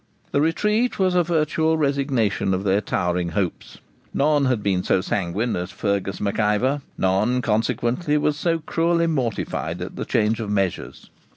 This retreat was a virtual resignation of their towering hopes. None had been so sanguine as Fergus MacIvor; none, consequently, was so cruelly mortified at the change of measures.